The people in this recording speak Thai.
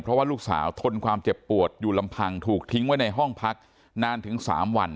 เพราะว่าลูกสาวทนความเจ็บปวดอยู่ลำพังถูกทิ้งไว้ในห้องพักนานถึง๓วัน